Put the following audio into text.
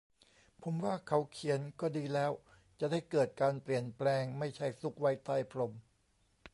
ผมว่าเขาเขียนก็ดีแล้ว จะได้เกิดการเปลี่ยนแปลง ไม่ใช่ซุกไว้ใต้พรม